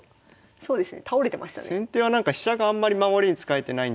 そうですね。